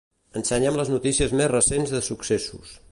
Ensenya'm les notícies més recents de successos.